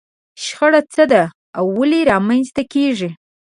شخړه څه ده او ولې رامنځته کېږي؟